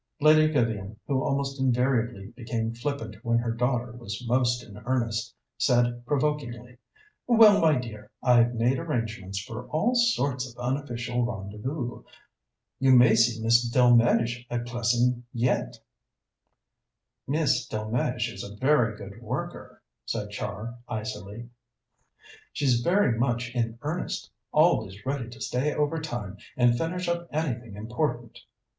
Lady Vivian, who almost invariably became flippant when her daughter was most in earnest, said provokingly: "Well, my dear, I've made arrangements for all sorts of unofficial rendezvous. You may see Miss Delmege at Plessing yet." "Miss Delmege is a very good worker," said Char icily. "She's very much in earnest, always ready to stay overtime and finish up anything important."